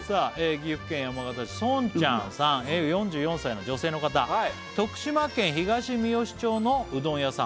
岐阜県山県市そんちゃんさん４４歳の女性の方「徳島県東みよし町のうどん屋さん」